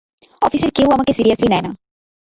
অফিসের কেউ আমাকে সিরিয়াসলি নেয় না।